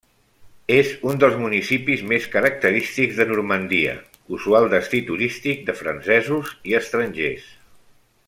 És un dels municipis més característics de Normandia, usual destí turístic de francesos i estrangers.